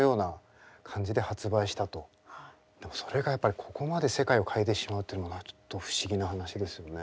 でもそれがやっぱりここまで世界を変えてしまうってのがちょっと不思議な話ですよね。